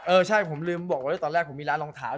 เออใช่ผมลืมบอกว่าตอนแรกผมมีร้านรองเท้า